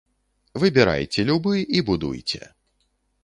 Выбірайце любы і будуйце.